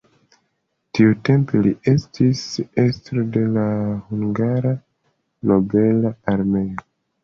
Tiutempe li estis estro de la hungara nobela armeo.